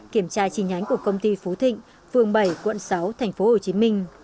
kiểm tra trình ánh của công ty phú thịnh phường bảy quận sáu thành phố hồ chí minh